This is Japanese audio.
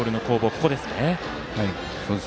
ここですね。